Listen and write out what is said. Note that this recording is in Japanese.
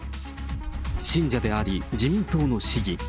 信者であり自民党の市議。